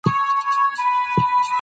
غل په اندلس کې د خزانې خوب لیدلی و.